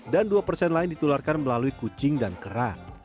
dan dua persen lain ditularkan melalui kucing dan kerak